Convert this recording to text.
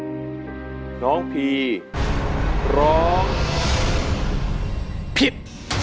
ใช่ไหมน้องพี่ร้องผิด